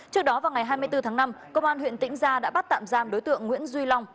trước đó vào ngày hai mươi bốn tháng năm công an huyện tĩnh gia đã bắt tạm giam đối tượng nguyễn duy long